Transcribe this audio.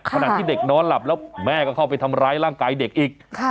ขณะที่เด็กนอนหลับแล้วแม่ก็เข้าไปทำร้ายร่างกายเด็กอีก